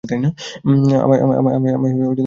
আমায় ভালো করে ভাবতে হবে!